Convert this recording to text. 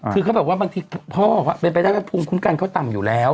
คือเขาแบบว่าบางทีพ่อเป็นไปได้ว่าภูมิคุ้มกันเขาต่ำอยู่แล้ว